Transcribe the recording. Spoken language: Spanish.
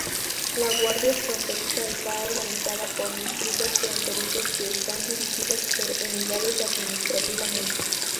La Guardia Fronteriza está organizada por distritos fronterizos que están dirigidos por unidades administrativamente.